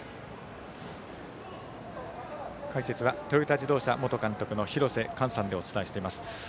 解説はトヨタ自動車元監督の廣瀬寛さんでお伝えしています。